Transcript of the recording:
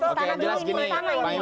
oke silahkan ustana ini